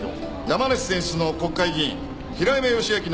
山梨選出の国会議員平山義昭の一人娘。